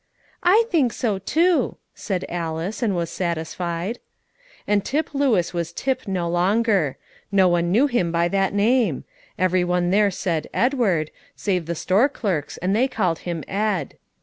"I think so too," said Alice, and was satisfied. And Tip Lewis was Tip no longer; no one knew him by that name; every one there said "Edward," save the store clerks, and they called him "Ed."